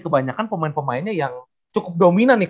kebanyakan pemain pemainnya yang cukup dominan nih